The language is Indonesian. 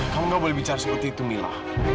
kamu gak boleh bicara seperti itu mila